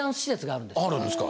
あるんですか。